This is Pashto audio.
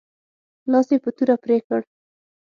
لاس یې په توره پرې کړ.